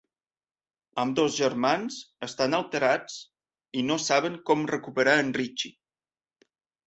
Ambdós germans estan alterats, i no saben com recuperar en Richie.